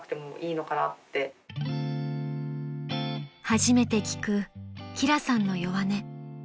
［初めて聞く輝さんの弱音］